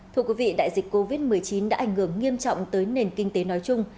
thưa quý vị đại dịch covid một mươi chín đã ảnh hưởng nghiêm trọng tới nền kinh tế nói chung